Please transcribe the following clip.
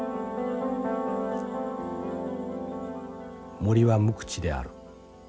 「森は無口である。